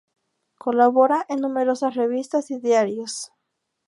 Colabora en numerosas revistas y diarios.